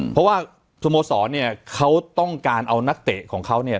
เพราะว่าสโมสรเนี่ยเขาต้องการเอานักเตะของเขาเนี่ย